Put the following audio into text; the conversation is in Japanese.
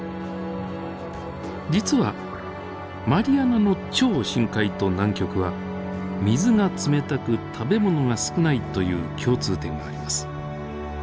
実はマリアナの超深海と南極は水が冷たく食べ物が少ないという共通点があります。